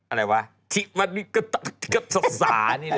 อะไรวะ